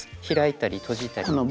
開いたり閉じたり。